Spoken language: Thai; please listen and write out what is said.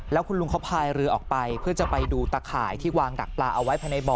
แล้วคุณลุงเขาพายเรือออกไปเพื่อจะไปดูตะข่ายที่วางดักปลาเอาไว้ภายในบ่อ